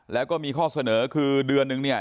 แล้วก็มีข้อเสนอคือเดือนนึงเนี่ย